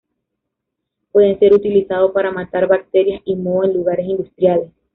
Puede ser utilizado para matar bacterias y moho en lugares industriales.